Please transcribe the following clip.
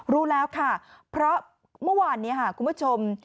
รู้แล้วค่ะเพราะเมื่อวานนี้ค่ะคุณผู้ชม